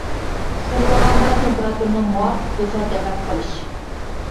سىرلىغاندا تېمپېراتۇرىنىڭ مۇۋاپىق بولۇشىغا دىققەت قىلىش.